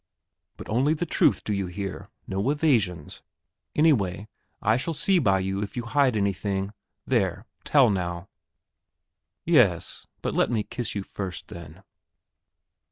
But only the truth, do you hear; no evasions. Anyway, I shall see by you if you hide anything there, tell now!" "Yes; but let me kiss you first, then."